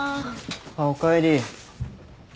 あっおかえり。